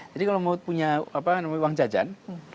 jadi kalau mau punya uang jajan